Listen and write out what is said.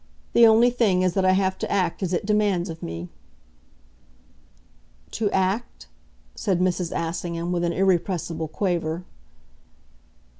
The only thing is that I have to act as it demands of me." "To 'act'?" said Mrs. Assingham with an irrepressible quaver.